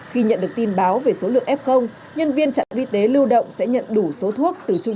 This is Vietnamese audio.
khi nhận được tin báo về số lượng f nhân viên trạm y tế lưu động sẽ nhận đủ số thuốc từ trung